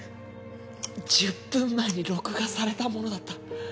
１０分前に録画されたものだった。